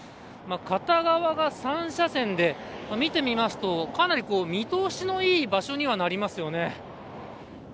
片側が３車線で見てみますと、かなり見通しのいい場所になりますよね。